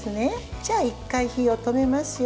じゃあ１回火を止めますよ。